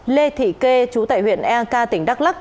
lê thị kê chú tại huyện eak tỉnh đắk lắc